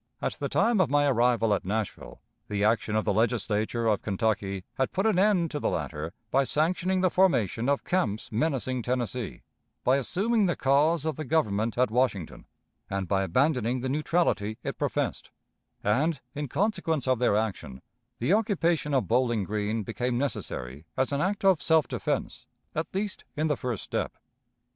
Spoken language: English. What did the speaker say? At the time of my arrival at Nashville, the action of the Legislature of Kentucky had put an end to the latter by sanctioning the formation of camps menacing Tennessee, by assuming the cause of the Government at Washington, and by abandoning the neutrality it professed; and, in consequence of their action, the occupation of Bowling Green became necessary as an act of self defense, at least in the first step.